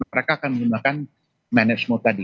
mereka akan menggunakan manajemen tadi